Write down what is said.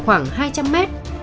khi tiến hành khám xét nơi này